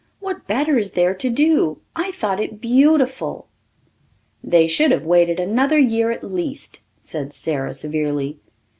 What better is there to do? I thought it beautiful." "They should have waited another year at least," said Sara severely.